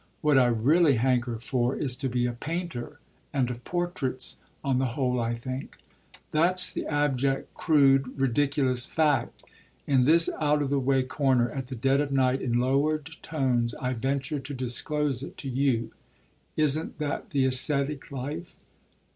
What I really hanker for is to be a painter; and of portraits, on the whole, I think. That's the abject, crude, ridiculous fact. In this out of the way corner, at the dead of night, in lowered tones, I venture to disclose it to you. Isn't that the æsthetic life?"